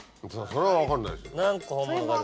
それは分かんないでしょ。